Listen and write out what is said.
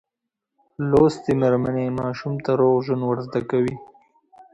لوستې میندې ماشوم ته روغ ژوند ورزده کوي.